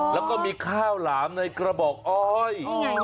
แล้วก็มีข้าวหลามในกระบอกอ้อย